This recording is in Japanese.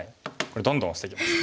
これどんどんオシていきます。